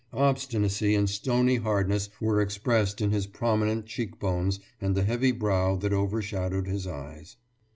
Obstinacy and stony hardness were expressed in his prominent cheekbones and the heavy brow that overshadowed his eyes.